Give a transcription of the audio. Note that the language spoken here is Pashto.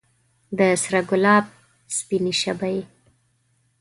د سره ګلاب سپینې شبۍ